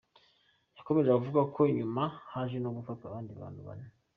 Yakomeje avuga ko nyuma haje no gufatwa abandi bantu bane.